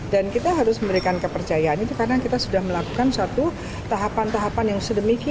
dan kita harus memberikan kepercayaan itu karena kita sudah melakukan satu tahapan tahapan yang sedemikian